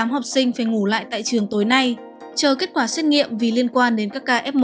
tám học sinh phải ngủ lại tại trường tối nay chờ kết quả xét nghiệm vì liên quan đến các ca f một